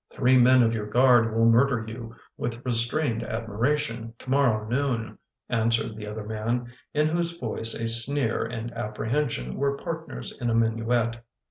" Three men of your guard will murder you, with re strained admiration, tomorrow noon," answered the other man, in whose voice a sneer and apprehension were partners in a minuet.